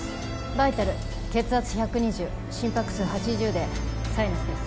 バイタル血圧１２０心拍数８０でサイナスです。